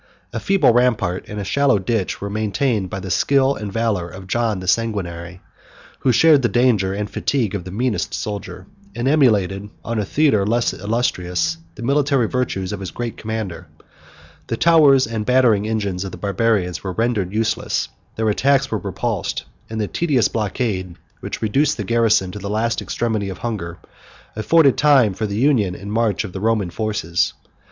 A feeble rampart, and a shallow ditch, were maintained by the skill and valor of John the Sanguinary, who shared the danger and fatigue of the meanest soldier, and emulated, on a theatre less illustrious, the military virtues of his great commander. The towers and battering engines of the Barbarians were rendered useless; their attacks were repulsed; and the tedious blockade, which reduced the garrison to the last extremity of hunger, afforded time for the union and march of the Roman forces.